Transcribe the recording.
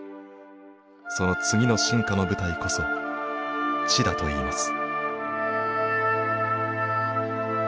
その次の進化の舞台こそ「知」だといいます。